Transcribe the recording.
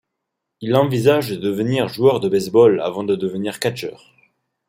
Il envisage de devenir joueur de baseball avant de devenir catcheur.